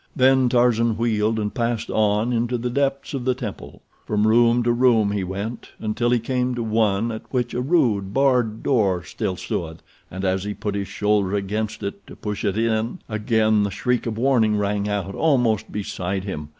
Then Tarzan wheeled and passed on into the depths of the temple. From room to room he went, until he came to one at which a rude, barred door still stood, and as he put his shoulder against it to push it in, again the shriek of warning rang out almost beside him.